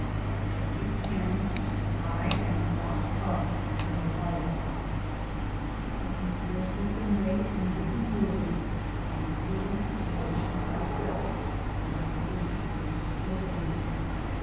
CHAPTER X. I AM CAUGHT UP INTO LIFE I can scarcely convey in written words the whirling emotions I felt when I entered the city of Kilburn.